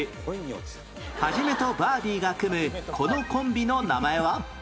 ハジメとバービーが組むこのコンビの名前は？